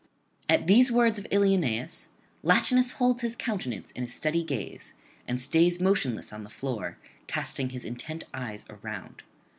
...' At these words of Ilioneus Latinus holds his countenance in a steady gaze, and stays motionless on the floor, casting his intent eyes around.